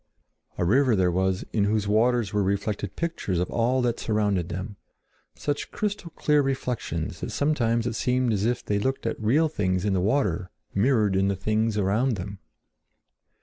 A river there was in whose waters were reflected pictures of all that surrounded them—such crystal clear reflections that sometimes it seemed as if they looked at real things in the water mirrored in the things around them.